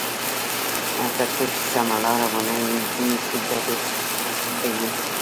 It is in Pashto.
تر څو چې سمه لار ونه نیسو، ګډوډ به یو.